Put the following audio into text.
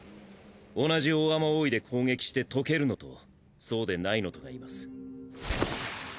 同じ大雨覆で攻撃して解けるのとそうでないのとがいます。